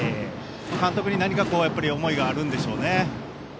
監督に何か思いがあるんでしょうね。